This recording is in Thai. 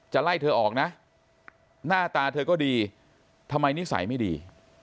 ไล่เธอออกนะหน้าตาเธอก็ดีทำไมนิสัยไม่ดี